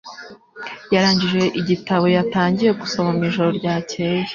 yarangije igitabo yatangiye gusoma mwijoro ryakeye